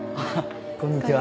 こんにちは。